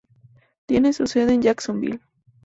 Tiene su sede en Jacksonville.